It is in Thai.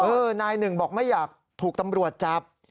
นายหนึ่งบอกไม่อยากถูกตำรวจจับ